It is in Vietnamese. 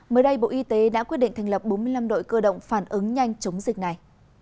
mới đây bộ y tế đã quyết định thành lập bốn mươi năm đội cơ động phản ứng nhanh chống dịch này